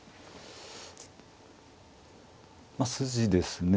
まあ筋ですね。